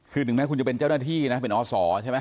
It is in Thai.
คือถึงแม้คุณจะเป็นเจ้าหน้าที่นะเป็นอศใช่ไหม